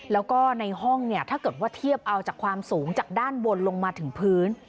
แล้วก็ในห้องเนี่ยถ้าเกิดว่าเทียบเอาจากความสูงจากด้านบนลงมาถึงพื้น